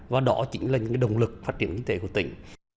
và đó chính là những động lực phát triển kinh tế của tỉnh